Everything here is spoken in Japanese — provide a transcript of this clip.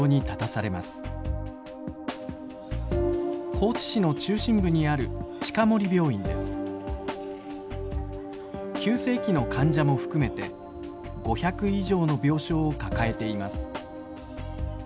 高知市の中心部にある急性期の患者も含めて５００以上の病床を抱えています。